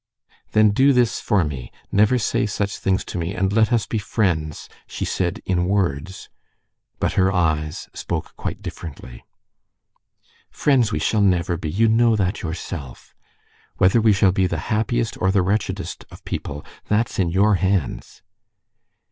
"Then do this for me: never say such things to me, and let us be friends," she said in words; but her eyes spoke quite differently. "Friends we shall never be, you know that yourself. Whether we shall be the happiest or the wretchedest of people—that's in your hands."